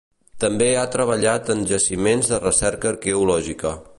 També ha treballat en jaciments de recerca arqueològica.